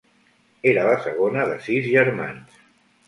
Era la segona de sis germans.